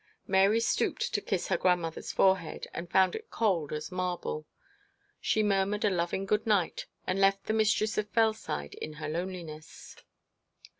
Mary stooped to kiss her grandmother's forehead, and found it cold as marble. She murmured a loving good night, and left the mistress of Fellside in her loneliness.